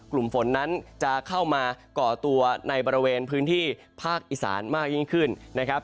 กลุ่มฝนนั้นจะเข้ามาก่อตัวในบริเวณพื้นที่ภาคอีสานมากยิ่งขึ้นนะครับ